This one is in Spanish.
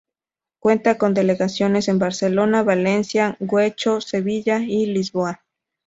Cuenta con delegaciones en Barcelona, Valencia, Guecho, Sevilla y Lisboa.